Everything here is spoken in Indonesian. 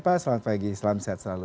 pak selamat pagi selamat sihat selalu